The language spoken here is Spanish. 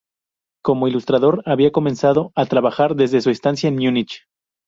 Como ilustrador, había comenzado a trabajar desde su estancia en Múnich.